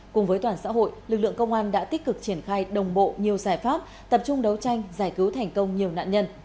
cùng với toàn xã hội lực lượng công an đã tích cực triển khai đồng bộ nhiều giải pháp tập trung đấu tranh giải cứu thành công nhiều nạn nhân